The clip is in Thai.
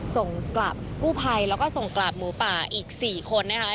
ส่งกลับกู้ไภและก็ส่งกลับหมูปากอีก๔คน